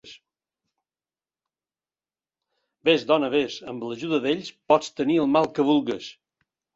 Vés, dona, vés; amb l'ajuda d'ells pots tenir el mal que vulgues.